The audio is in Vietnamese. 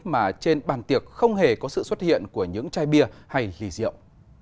mà trên bàn tiệc không hề có sự xuất hiện của những chai bia hay ly rượu